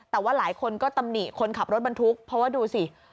แต่ว่าหลายคนก็ตำหนิคนขับรถบรรทุกเพราะว่าดูสิ